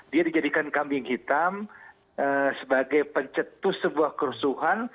dia dijadikan kambing hitam sebagai pencetus sebuah kerusuhan